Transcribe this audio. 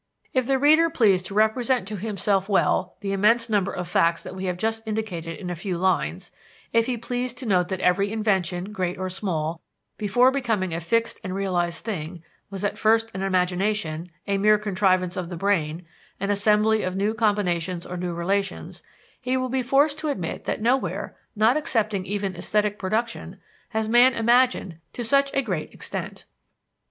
If the reader please to represent to himself well the immense number of facts that we have just indicated in a few lines; if he please to note that every invention, great or small, before becoming a fixed and realized thing, was at first an imagination, a mere contrivance of the brain, an assembly of new combinations or new relations, he will be forced to admit that nowhere not excepting even esthetic production has man imagined to such a great extent.